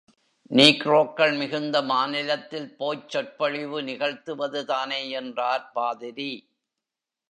நீக்ரோக்கள் மிகுந்த மாநிலத்தில் போய்ச் சொற்பொழிவு நிகழ்த்துவதுதானே என்றார் பாதிரி.